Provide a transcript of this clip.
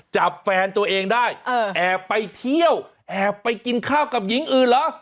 จับแฟนตัวเองได้แอบไปเที่ยวแอบไปกินข้าวกับหญิงอื่นเหรอ